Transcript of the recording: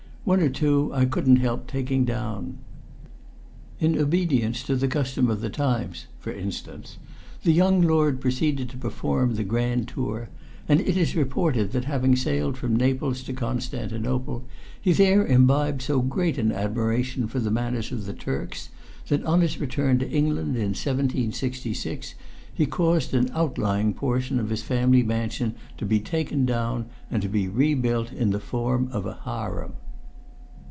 "One or two I couldn't help taking down. 'In obedience to the custom of the times,' for instance, 'the young lord proceeded to perform the grand tour; and it is reported that having sailed from Naples to Constantinople, he there imbibed so great an admiration for the manners of the Turks, that on his return to England in 1766, he caused an outlying portion of his family mansion to be taken down, and to be rebuilt in the form of a harem.'"